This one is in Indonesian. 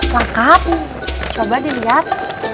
lengkap coba dilihat